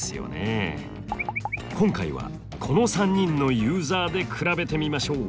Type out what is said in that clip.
今回はこの３人のユーザーで比べてみましょう。